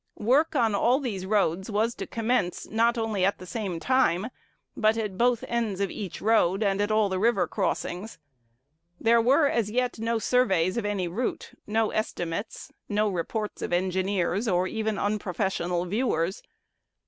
Work on all these roads was to commence, not only at the same time, but at both ends of each road, and at all the river crossings. There were as yet no surveys of any route, no estimates, no reports of engineers, or even unprofessional viewers.